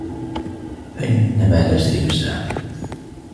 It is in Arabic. فإن مع العسر يسرا